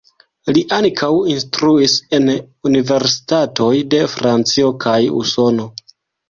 Li ankaŭ instruis en universitatoj de Francio kaj Usono.